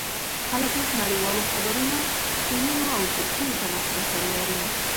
خلک اوس نړیوالو خبرونو، فلمونو او کورسونو ته لاسرسی لري.